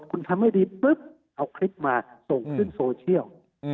คุณทำไม่ดีปุ๊บเอาคลิปมาส่งขึ้นโซเชียล